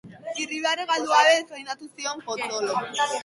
Irribarrea galdu gabe defendatu zen Potzolo.